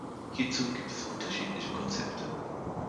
Hierzu gibt es unterschiedliche Konzepte.